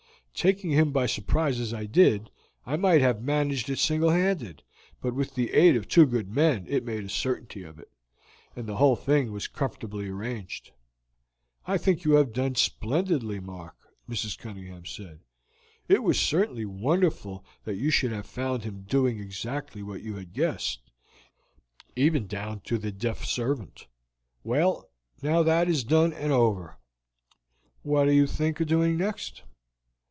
Taking him by surprise as I did, I might have managed it single handed, but with the aid of two good men it made a certainty of it, and the whole thing was comfortably arranged." "I think you have done splendidly, Mark," Mrs. Cunningham said. "It was certainly wonderful that you should have found him doing exactly what you had guessed, even down to the deaf servant. Well, now that is done and over, what do you think of doing next?"